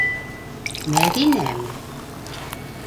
Мәҙинәме?